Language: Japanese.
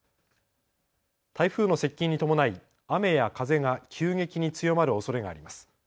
台風の接近に伴い雨や風が急激に強まるおそれがあります。